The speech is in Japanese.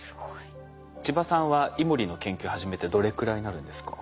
千葉さんはイモリの研究始めてどれくらいになるんですか？